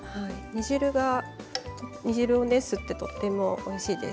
煮汁を吸ってとてもおいしいです。